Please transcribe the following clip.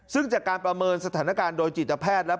ซึ่งจากการประเมินสถานการณ์โดยจิตแพทย์แล้ว